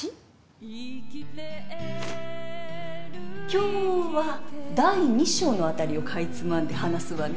今日は第二章のあたりをかいつまんで話すわね。